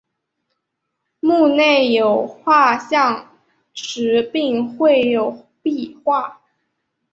墓内有画像石并绘有壁画。